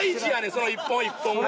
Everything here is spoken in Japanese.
その一本一本が。